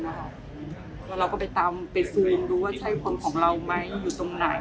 แล้วเราก็ไปตามไปซูมดูว่าใช่คนของเราไหมอยู่ตรงไหน